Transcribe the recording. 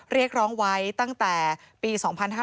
เรียกร้องไว้ตั้งแต่ปี๒๕๕๙